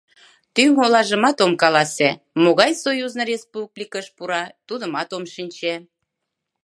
Тӱҥ олажымат ом каласе, могай союзный республикыш пура, тудымат ом шинче.